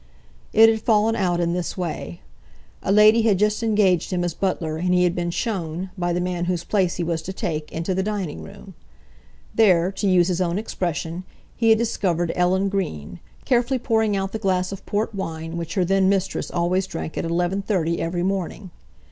It had fallen out in this way. A lady had just engaged him as butler, and he had been shown, by the man whose place he was to take, into the dining room. There, to use his own expression, he had discovered Ellen Green, carefully pouring out the glass of port wine which her then mistress always drank at 11.30 every morning.